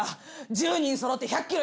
１０人そろって１００キロ